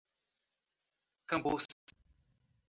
Cambuci